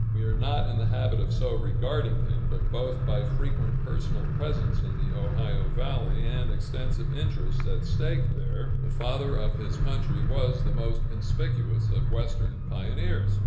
We are not in the habit of so regarding him, but both by frequent personal presence in the Ohio valley, and extensive interests at stake there, the Father of his Country was the most conspicuous of Western pioneers.